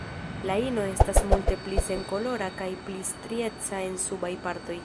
La ino estas multe pli senkolora kaj pli strieca en subaj partoj.